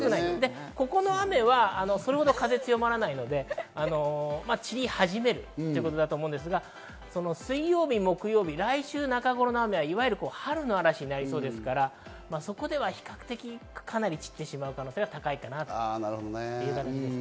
ここの雨は風がそれほど強まらないので、散り始めるということだと思いますが、水曜日・木曜日、来週中頃の雨は春の嵐になりそうですから、そこでは比較的かなり散ってしまう可能性が高いかなと思います。